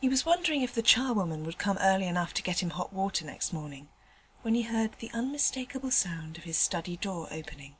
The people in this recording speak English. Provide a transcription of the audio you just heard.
He was wondering if the charwoman would come early enough to get him hot water next morning, when he heard the unmistakable sound of his study door opening.